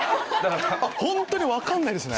本当に分かんないですね。